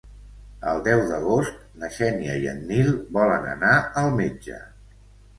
El deu d'agost na Xènia i en Nil volen anar al metge.